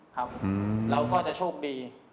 ครับแล้วก็จะโชคดี